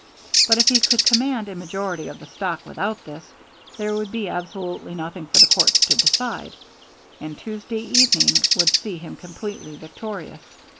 But if he could command a majority of the stock without this, there would be absolutely nothing for the courts to decide, and Tuesday evening would see him completely victorious.